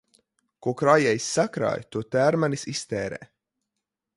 Ko krājējs sakrāj, to tērmanis iztērē.